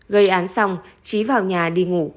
gây án xong trí vào nhà đi ngủ